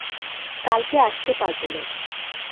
কালকে আসতে পারব না।